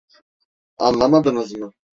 Anlamadınız mı?